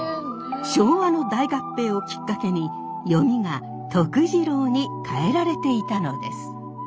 昭和の大合併をきっかけに読みがとくじろうに変えられていたのです。